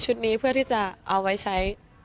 นี้เพื่อที่จะเอาไว้ใช้